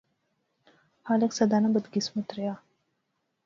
خالق سدا نا بدقسمت ریا